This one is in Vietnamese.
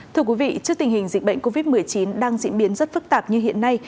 thưa quý vị trước tình hình dịch bệnh covid một mươi chín đang diễn biến rất phức tạp như hiện nay